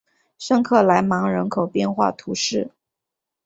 圣克莱芒人口变化图示